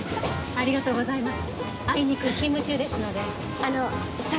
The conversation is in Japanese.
ありがとうございます。